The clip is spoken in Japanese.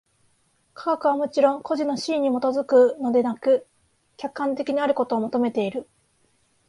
科学はもちろん個人の肆意に基づくのでなく、客観的であることを求めている。